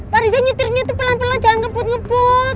pak riza nyetirnya tuh pelan pelan jangan ngebut ngebut